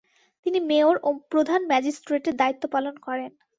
তিনি মেয়র ও প্রধান ম্যাজিস্ট্রেটের দায়িত্ব পালন করেন।